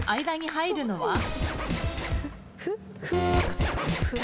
間に入るのは？